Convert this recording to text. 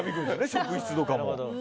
職質とかも。